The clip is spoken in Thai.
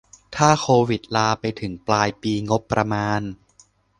ถ้าโควิดลาไปถึงปลายปีงบประมาณ